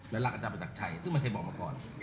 และรับจักรจักรชัยซึ่งมันเคยบอกมาก่อน